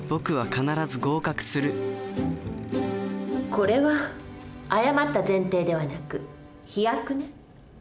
これは誤った前提ではなく飛躍ね。